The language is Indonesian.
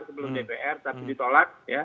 sebelum dpr tapi ditolak